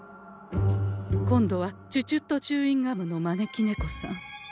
今度はチュチュットチューインガムの招き猫さん。